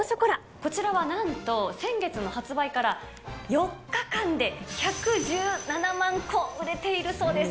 こちらはなんと先月の発売から４日間で１１７万個売れているそうです。